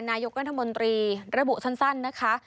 นายกรัฐมนตรีระบุสั้นนะคะ